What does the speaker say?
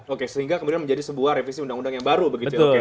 oke sehingga kemudian menjadi sebuah revisi undang undang yang baru begitu ya